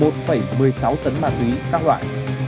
tấn ma túy các loại